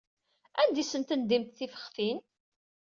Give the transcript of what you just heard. Anda ay asen-tendimt tifextin?